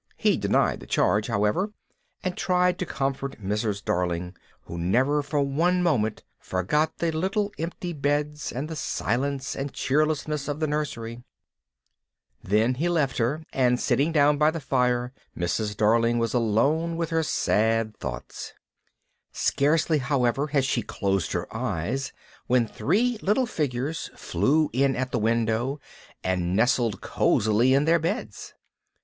He denied the charge, however, and tried to comfort Mrs. Darling, who never for one moment forgot the little empty beds and the silence and cheerlessness of the nursery. Then he left her, and sitting down by the fire, Mrs. Darling was alone with her sad thoughts. [Illustration: HE WOULD LIVE IN THE KENNEL TILL HIS CHILDREN'S RETURN] Scarcely, however, had she closed her eyes when three little figures flew in at the window and nestled cosily in their beds.